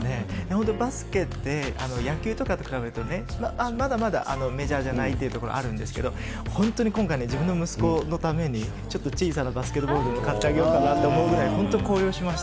本当バスケって、野球とかと比べてね、まだまだメジャーじゃないというところあるんですけど、本当に今回ね、自分の息子のためにちょっと小さなバスケットボールでも買ってあげようかなと思うぐらい、本当高揚しました。